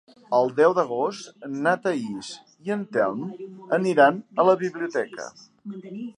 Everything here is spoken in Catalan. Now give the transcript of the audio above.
El deu d'agost na Thaís i en Telm aniran a la biblioteca.